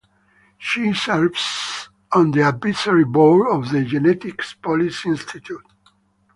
She serves on the advisory board of the Genetics Policy Institute.